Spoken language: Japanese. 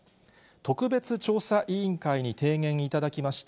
特別調査委員会に提言いただきました